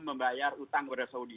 membayar utang kepada saudi